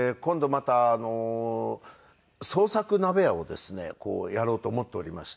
また創作鍋屋をですねやろうと思っておりまして。